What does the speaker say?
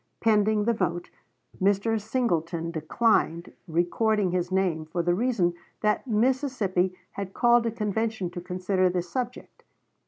Pending the vote, Mr. Singleton declined recording his name for the reason that Mississippi had called a convention to consider this subject.